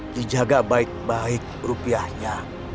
dijaga baik baik rupiahnya